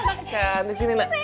eh cantik sini enggak